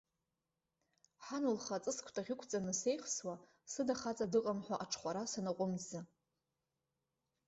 Ҳан лхы аҵыс кәтаӷь ықәҵаны сеихсуа, сыда хаҵа дыҟам ҳәа аҽхәара санаҟәымҵӡа.